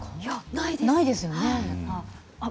ないですよね。